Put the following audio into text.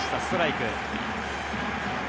ストライク。